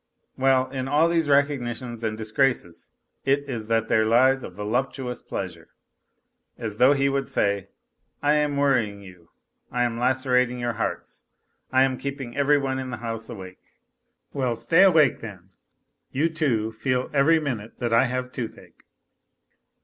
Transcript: Well, in all these recognitions and 1 i>_ r races it is that there lies a voluptuous pleasure. As though he would say :" I am worrying you, I am lacerating your hearts, I am keeping every one in the house awake. Well, stay awake then, you, too, feel every minute that I have toothache.